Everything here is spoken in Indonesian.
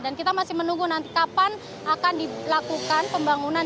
dan kita masih menunggu nanti kapan akan dilakukan pembangunan